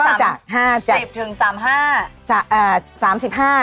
มาถึงใต้ตา